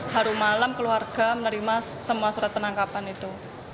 hari malam keluarga menerima semua surat penangkapan itu